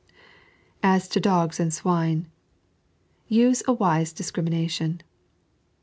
171 As TO DoGB AND SwiNX — Ufe a wUt discrimination.